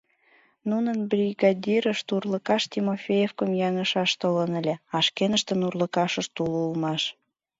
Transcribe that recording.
Нунын бригадирышт урлыкаш тимофеевкым яҥышаш толын ыле, а шкеныштын урлыкашышт уло улмаш...